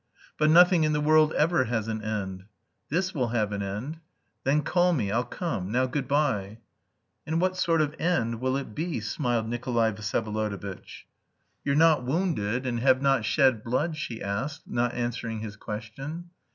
"But nothing in the world ever has an end." "This will have an end. Then call me. I'll come. Now, good bye." "And what sort of end will it be?" smiled Nikolay Vsyevolodovitch. "You're not wounded, and... have not shed blood?" she asked, not answering his question.